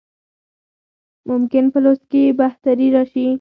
ممکن په لوست کې یې بهتري راشي.